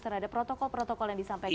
terhadap protokol protokol yang disampaikan